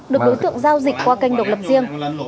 được đối tượng giao dịch qua kênh độc lập riêng